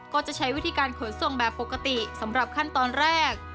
ก็จะใช้วิธีการขนส่งแบบปกติสำหรับขั้นตอนแรก